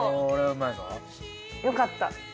よかった。